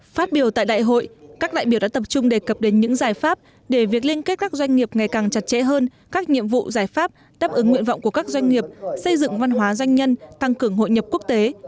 phát biểu tại đại hội các đại biểu đã tập trung đề cập đến những giải pháp để việc liên kết các doanh nghiệp ngày càng chặt chẽ hơn các nhiệm vụ giải pháp đáp ứng nguyện vọng của các doanh nghiệp xây dựng văn hóa doanh nhân tăng cường hội nhập quốc tế